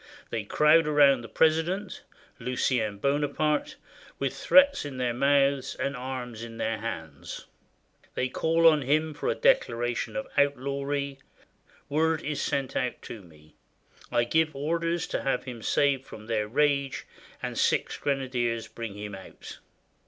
They crowd around the president (Lucien Bonaparte) with threats in their mouths, and arms in their hands; they call on him for a declaration of outlawry; word is sent out to me; I give orders to have him saved from their rage, and six grenadiers bring him out.